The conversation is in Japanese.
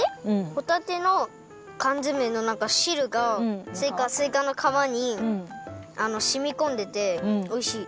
ホタテのかんづめのなんかしるがすいかの皮にしみこんでておいしい。